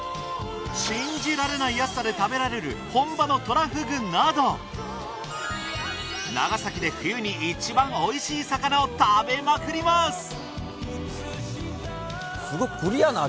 信じられない安さで食べられる本場のトラフグなど長崎で冬に一番美味しい魚を食べまくります！